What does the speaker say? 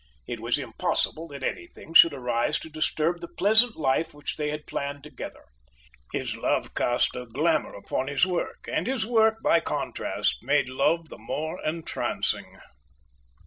It was impossible that anything should arise to disturb the pleasant life which they had planned together. His love cast a glamour upon his work, and his work, by contrast, made love the more entrancing.